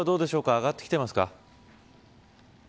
上がってきていますか。